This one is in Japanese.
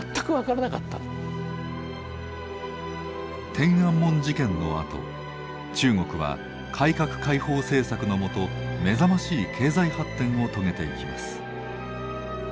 天安門事件のあと中国は改革開放政策の下目覚ましい経済発展を遂げていきます。